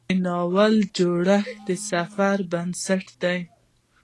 د ناول جوړښت د سفر پر بنسټ دی.